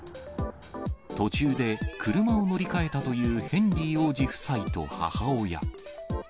途中で車を乗り換えたというヘンリー王子夫妻と母親。